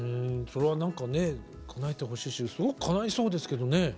それは何かねかなえてほしいしすごくかないそうですけどね。